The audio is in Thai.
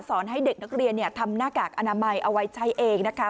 ให้เด็กนักเรียนทำหน้ากากอนามัยเอาไว้ใช้เองนะคะ